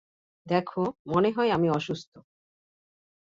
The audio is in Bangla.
দেখো, মনে হয় আমি অসুস্থ।